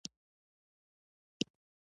د ترکیې تر سوېل ختیځ پورې رانغاړي.